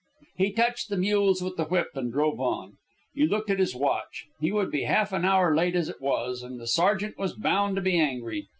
He touched the mules with the whip and drove on. He looked at his watch. He would be half an hour late as it was, and the sergeant was bound to be angry.